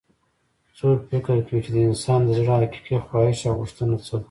څوک فکر کوي چې د انسان د زړه حقیقي خواهش او غوښتنه څه ده